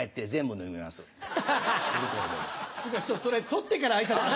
それ取ってから挨拶。